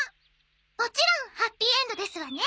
もちろんハッピーエンドですわね？